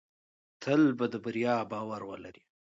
تل په بریا باور ولرئ.